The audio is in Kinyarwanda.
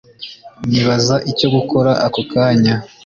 nyibaza icyo gukora ako kanya